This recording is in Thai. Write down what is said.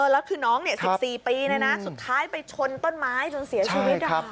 แล้วคือน้อง๑๔ปีสุดท้ายไปชนต้นไม้จนเสียชีวิต